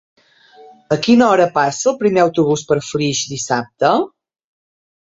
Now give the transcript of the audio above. A quina hora passa el primer autobús per Flix dissabte?